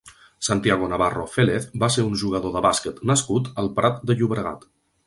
Santiago Navarro Félez va ser un jugador de bàsquet nascut al Prat de Llobregat.